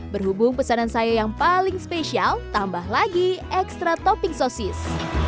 berhubung pesanan saya yang paling spesial tambah lagi ekstra topping sosis